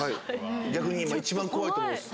逆に今一番怖いと思います・